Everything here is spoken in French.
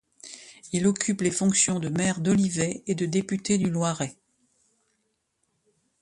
Il occupe les fonctions de maire d'Olivet et de député du Loiret.